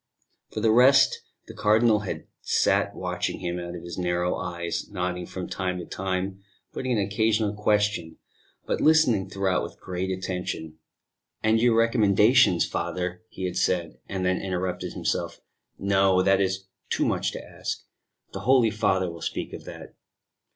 For the rest the Cardinal had sat watching him out of his narrow eyes, nodding from time to time, putting an occasional question, but listening throughout with great attention. "And your recommendations, father " he had said, and then interrupted himself. "No, that is too much to ask. The Holy Father will speak of that."